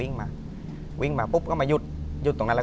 แรงไม่งั้นอย่างไป